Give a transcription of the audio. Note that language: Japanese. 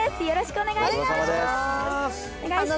よろしくお願いします。